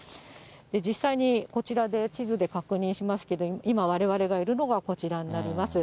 実際にこちらで地図で確認しますけど、今われわれがいるのがこちらになります。